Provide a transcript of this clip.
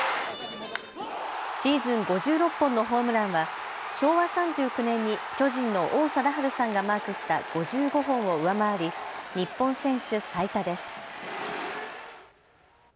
シーズン５６本のホームランは昭和３９年に巨人の王貞治さんがマークした５５本を上回り日本選手最多です。